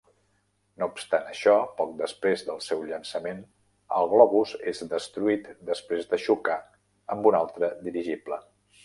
No obstant això, poc després del seu llançament el globus és destruït després de xocar amb un altre dirigible.